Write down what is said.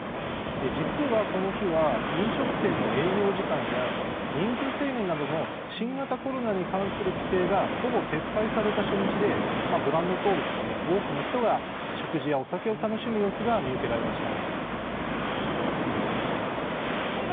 実はこの日は、飲食店の営業時間や人数制限などの新型コロナに関する規制がほぼ撤廃された初日でご覧のとおり多くの人が食事やお酒を楽しむ様子が見受けられました。